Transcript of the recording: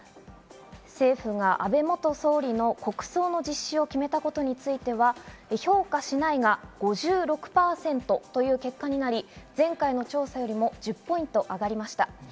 政府が安倍元総理の国葬の実施を決めたことについては、評価しないが５６％という結果になり、前回の調査よりも１０ポイント上がりました。